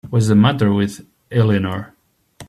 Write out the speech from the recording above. What's the matter with Eleanor?